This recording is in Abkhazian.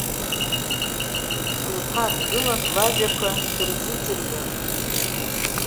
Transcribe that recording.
Лԥа дгылан лажәақәа дырзыӡырҩуан.